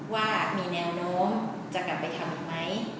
ว่ามีแนวโน้มจะกลับไปทำอีกไหม